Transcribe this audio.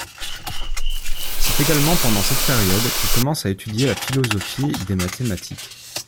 C'est également pendant cette période qu'il commence à étudier la philosophie des mathématiques.